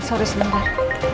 ah sorry sebentar